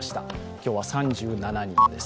今日は３７人です。